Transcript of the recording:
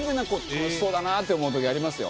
楽しそうだなって思う時ありますよ。